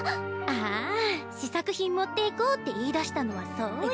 あ試作品持っていこうって言いだしたのはそういう。